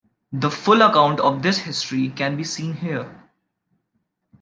The full account of this history can be seen here.